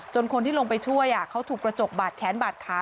คนที่ลงไปช่วยเขาถูกกระจกบาดแขนบาดขา